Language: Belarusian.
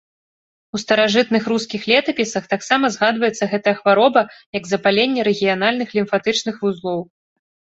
У старажытных рускіх летапісах таксама згадваецца гэтая хвароба як запаленне рэгіянальных лімфатычных вузлоў.